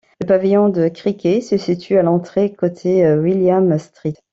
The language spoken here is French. Le pavillon de cricket se situe à l'entrée côté William Street.